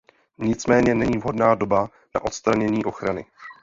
Nicméně není vhodná doba na odstranění ochrany.